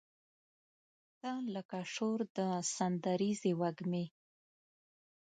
تۀ لکه شور د سندریزې وږمې